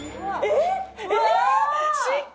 えっ！